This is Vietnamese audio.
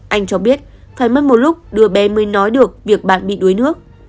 anh cho biết phải mất một lúc đưa bé mới nói được việc bạn bị đuối nước